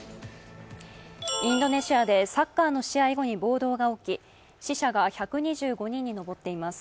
インドネシアでサッカーの試合後に暴動が起き死者は１２５人に上っています。